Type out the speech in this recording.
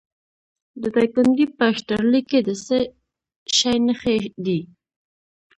د دایکنډي په اشترلي کې د څه شي نښې دي؟